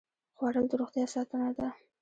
خوړل د روغتیا ساتنه ده